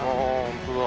本当だ